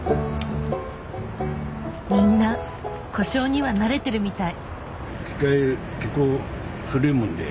みんな故障には慣れてるみたい。